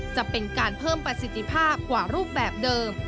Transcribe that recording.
จะเป็นการเพิ่มประสิทธิภาพกว่ารูปแบบเดิม